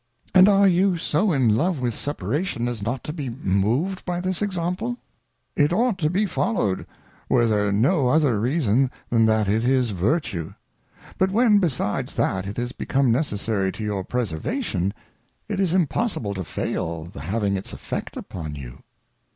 And ^re^u so in love with Separation, as noi to be movM'by this Example iroughtto berfoliowedj were t&ere iio' other Reason than that it is Vertue ; but when besides that, it is become necessary to your Preservation, it is impossible to fail the having its Effect upon you.